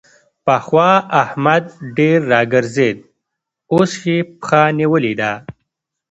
پخوا احمد ډېر راګرځېد؛ اوس يې پښه نيولې ده.